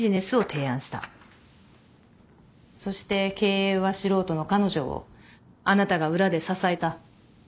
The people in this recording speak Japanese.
そして経営は素人の彼女をあなたが裏で支えた。